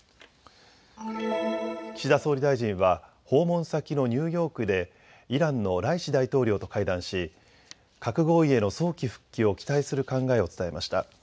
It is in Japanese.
岸田総理大臣は訪問先のニューヨークでイランのライシ大統領と会談し核合意への早期復帰を期待する考えを伝えました。